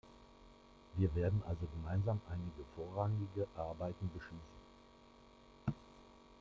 Wir werden also gemeinsam einige vorrangige Arbeiten beschließen.